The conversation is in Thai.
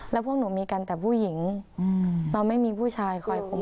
แล้วพวกหนูมีกันแต่ผู้หญิงเราไม่มีผู้ชายคอยคุม